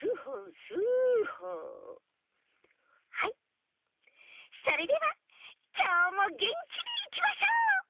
はいそれではきょうもげんきにいきましょう！